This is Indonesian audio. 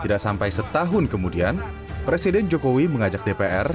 tidak sampai setahun kemudian presiden jokowi mengajak dpr